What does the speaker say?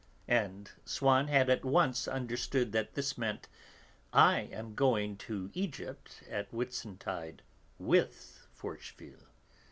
and Swann had at once understood that this meant: "I am going to Egypt at Whitsuntide with Forcheville."